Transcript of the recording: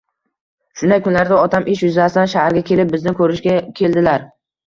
Shunday kunlarda otam ish yuzasidan shaharga kelib, bizni ko`rishga keldilar